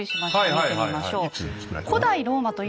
見てみましょう。